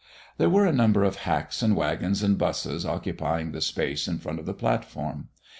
There were a number of hacks and wagons and 'busses occupying the space in front of the platform.